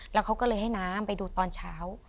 แล้วเขาก็เลยให้น้ำไปดูตอนเช้า